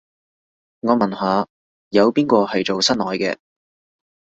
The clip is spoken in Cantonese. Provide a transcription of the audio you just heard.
我問下，有邊個係做室內嘅